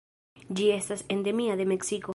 Ĝi estas endemia de Meksiko.